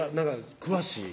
詳しい？